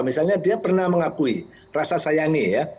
misalnya dia pernah mengakui rasa sayangi ya